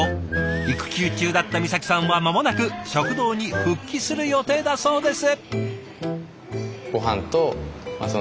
育休中だった美咲さんは間もなく食堂に復帰する予定だそうです。